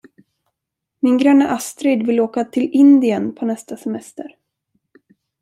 Min granne Astrid vill åka till Indien på nästa semester.